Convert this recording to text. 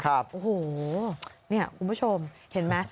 โอ้โหนี่คุณผู้ชมเห็นไหม